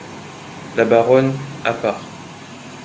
La Baronne , à part.